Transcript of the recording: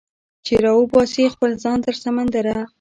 چې راوباسي خپل ځان تر سمندره